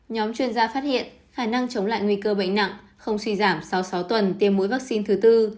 nhóm chuyên gia phát hiện khả năng chống lại nguy cơ bệnh nặng không suy giảm sau sáu tuần tiêm mũi vaccine thứ tư